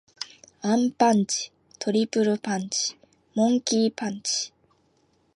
アンパンチ。トリプルパンチ。モンキー・パンチ。